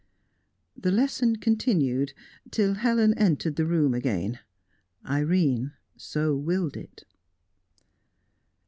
The lesson continued till Helen entered the room again. Irene so willed it.